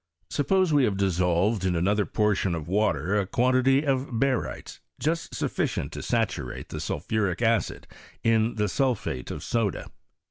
Suppose we have dissolved in another portion of water, a quantity of barytes, just sufficient to saturate the sulphuric acid 'a the sulphate of soda.